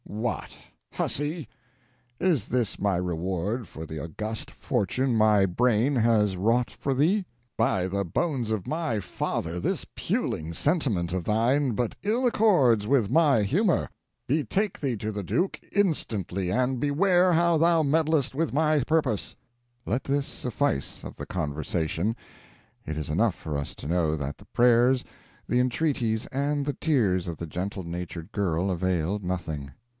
"What, huzzy! Is this my reward for the august fortune my brain has wrought for thee? By the bones of my father, this puling sentiment of thine but ill accords with my humor. "Betake thee to the Duke, instantly! And beware how thou meddlest with my purpose!" Let this suffice, of the conversation. It is enough for us to know that the prayers, the entreaties and the tears of the gentle natured girl availed nothing.